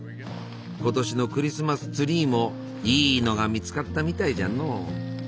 今年のクリスマスツリーもいいのが見つかったみたいじゃの。